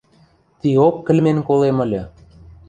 Тиок кӹлмен колем ыльы.